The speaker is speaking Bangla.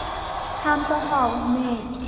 শান্ত হও, মেই।